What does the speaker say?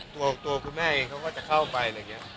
ตัวคุณแม่เขาก็จะเข้ามากี๊